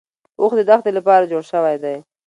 اوښ د دښتې لپاره جوړ شوی دی